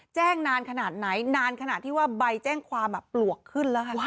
นานขนาดไหนนานขนาดที่ว่าใบแจ้งความปลวกขึ้นแล้วค่ะ